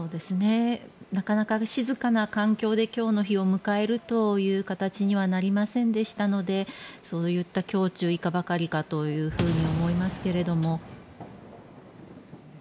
なかなか静かな環境で今日の日を迎えるという形にはなりませんでしたのでそういった胸中いかばかりかというふうに思いますけども。